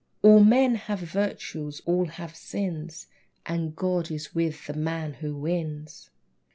All men have virtues, all have sins, And God is with the man who wins.